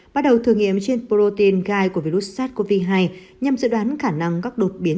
bắt đầu thử nghiệm trên protein gai của virus sars cov hai nhằm dự đoán khả năng các đột biến